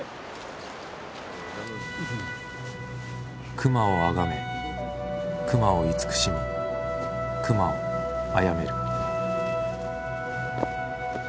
熊を崇め熊を慈しみ熊をあやめる。